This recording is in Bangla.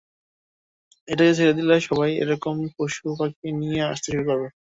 এটাকে ছেড়ে দিলে, সবাই এরকম পশুপাখি নিয়ে আসতে শুরু করবে।